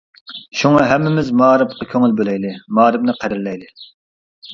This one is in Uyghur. شۇڭا ھەممىمىز مائارىپقا كۆڭۈل بۆلەيلى، مائارىپنى قەدىرلەيلى.